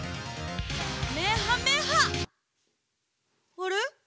あれ？